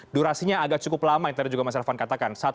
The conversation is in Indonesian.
durasinya agak cukup lama yang tadi juga mas elvan katakan